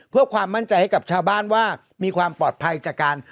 เพื่อความมั่นใจให้กับชาวบ้านว่ามีความปลอดภัยจากการ